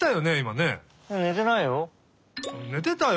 ねてたよ！